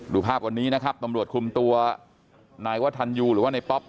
ภาพวันนี้นะครับตำรวจคุมตัวนายวัฒนยูหรือว่าในป๊อป